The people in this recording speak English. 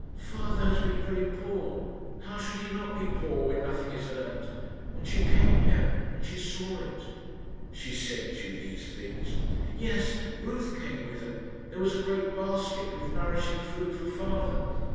"Father has been very poor. How should he not be poor when nothing is earned? And she came here, and she saw it." "She sent you these things?" "Yes, Ruth came with them; there was a great basket with nourishing food for father.